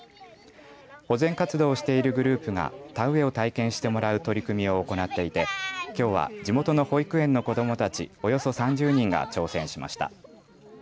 保全活動をしているグループが田植えを体験してもらう取り組みを行っていてきょうは地元の保育園の子どもたち、およそ３０人が挑戦しました。